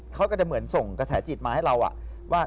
เขาก็จะเหมือนส่งกระแสจิตมาให้เราว่า